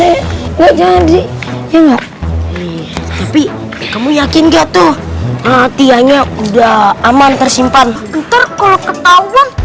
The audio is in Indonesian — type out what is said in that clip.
enggak janji tapi kamu yakin gak tuh matianya udah aman tersimpan ntar kalau ketahuan